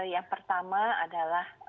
yang pertama adalah